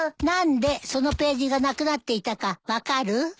何でそのページがなくなっていたか分かる？